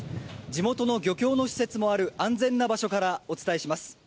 地元の漁協の施設もある安全な場所からお伝えします。